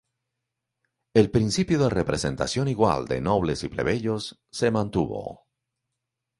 El principio de representación igual de nobles y plebeyos se mantuvo.